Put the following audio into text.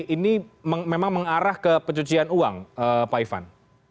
ini memang mengarah ke pencucian uang pak ivan